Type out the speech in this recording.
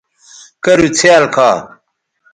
کرُو څھیال کھا